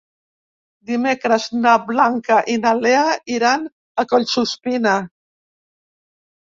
Dimecres na Blanca i na Lea iran a Collsuspina.